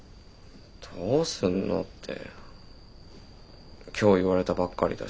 どうすんのって今日言われたばっかりだし。